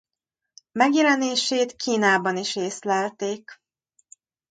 Megjelenését Kínában is észlelték.